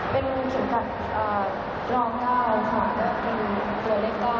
เป็นที่วางกาวขวานก็เป็นเหลือเล็กกาว